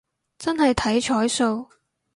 真係睇彩數